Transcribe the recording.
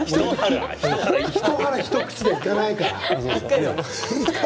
一腹一口でいかないから。